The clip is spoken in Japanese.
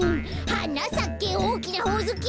「はなさけおおきなほおずき」